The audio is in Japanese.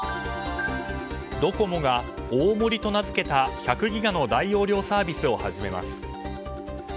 ドコモが大盛りと名付けた１００ギガの大容量サービスを始めます。